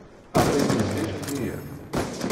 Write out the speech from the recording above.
Aql-iken d ilelliyen?